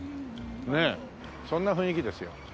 ねえそんな雰囲気ですよ。